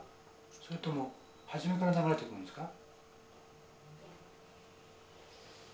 それとも初めから流れてくるんですか？